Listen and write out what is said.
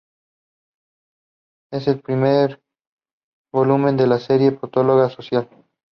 Es el primer volumen de la serie "Patología Social".